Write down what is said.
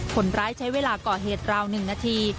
คนร้ายใช้เวลาก่อเหตุราว๑นาที